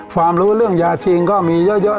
ความรู้เรื่องยาชิงก็มีเยอะ